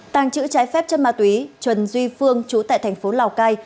tàng trữ trái phép chân ma túy trần duy phương trú tại tp lào cai